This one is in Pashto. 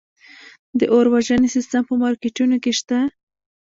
د اور وژنې سیستم په مارکیټونو کې شته؟